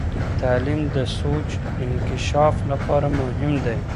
تعلیم د سوچ انکشاف لپاره مهم دی.